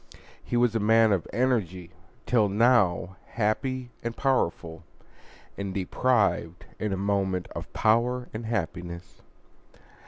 He was a man of energy, till now happy and powerful, and deprived in a moment of power and happiness.